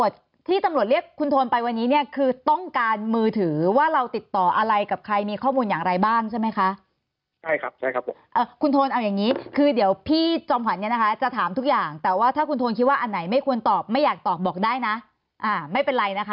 ใช่ครับคุณโทนเอาอย่างนี้คือเดี๋ยวพี่จอมหวันเนี่ยนะคะจะถามทุกอย่างแต่ว่าถ้าคุณโทนคิดว่าอันไหนไม่ควรตอบไม่อยากตอบบอกได้นะไม่เป็นไรนะคะ